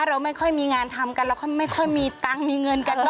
เราไม่ค่อยมีงานทำกันแล้วก็ไม่ค่อยมีเงินกันก็